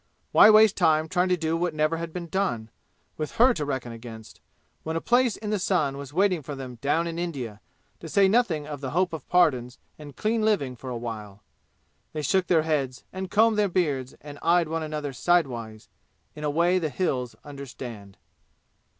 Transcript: Why waste time trying to do what never had been done, with her to reckon against, when a place in the sun was waiting for them down in India, to say nothing of the hope of pardons and clean living for a while? They shook their heads and combed their beards and eyed one another sidewise in a way the "Hills" understand.